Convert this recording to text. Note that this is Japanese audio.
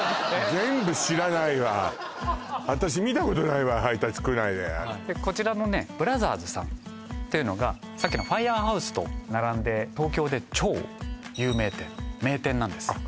全部知らないわ私見たことないわ配達区内でこちらのＢＲＯＺＥＲＳ’さんというのがさっきのＦＩＲＥＨＯＵＳＥと並んで東京で超有名店名店なんです